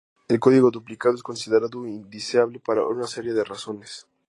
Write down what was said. El código duplicado es considerado indeseable por una serie de razones.